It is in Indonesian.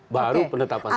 baru penetapan tersangka